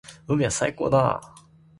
海は最高だな。